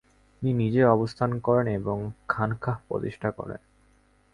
তিনি নিজেই অবস্থান করেন এবং খানকাহ প্রতিষ্ঠা করেন।